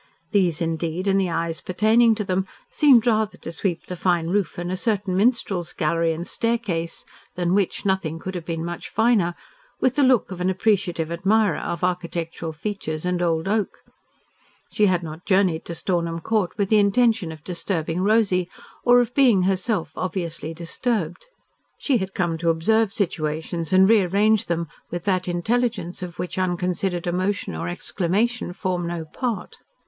These, indeed, and the eyes pertaining to them, seemed rather to sweep the fine roof, and a certain minstrel's gallery and staircase, than which nothing could have been much finer, with the look of an appreciative admirer of architectural features and old oak. She had not journeyed to Stornham Court with the intention of disturbing Rosy, or of being herself obviously disturbed. She had come to observe situations and rearrange them with that intelligence of which unconsidered emotion or exclamation form no part.